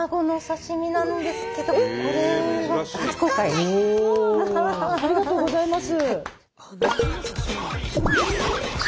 ではありがとうございます！